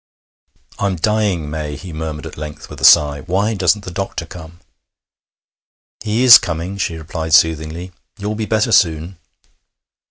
'I'm dying, May,' he murmured at length, with a sigh. 'Why doesn't the doctor come?' 'He is coming,' she replied soothingly. 'You'll be better soon.'